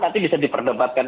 nanti bisa diperdebatkan